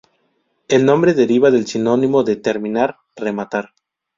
El nombre deriva del sinónimo de "terminar"= "rematar".